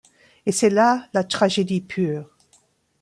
Et c'est là la tragédie pure.